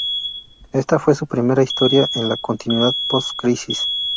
Esta fue su primera historia en la continuidad post-crisis.